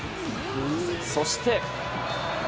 そして。